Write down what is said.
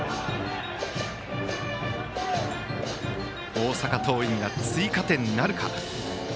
大阪桐蔭が追加点なるか。